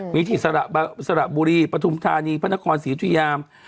มีที่สระบุรีปฐุมธานีพระนครศรียุธยาม